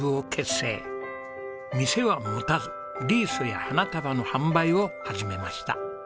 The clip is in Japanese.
店は持たずリースや花束の販売を始めました。